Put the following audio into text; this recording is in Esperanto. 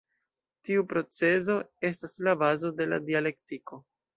Tiu procezo estas la bazo de la dialektiko.